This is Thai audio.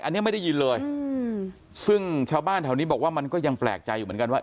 อันนี้ไม่ได้ยินเลยอืมซึ่งชาวบ้านแถวนี้บอกว่ามันก็ยังแปลกใจอยู่เหมือนกันว่า